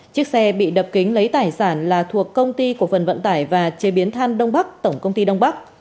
chiếc xe bị đập kính lấy tài sản là thuộc công ty cổ phần vận tải và chế biến than đông bắc tổng công ty đông bắc